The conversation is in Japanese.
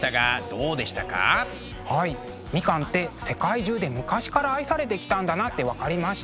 みかんって世界中で昔から愛されてきたんだなって分かりました。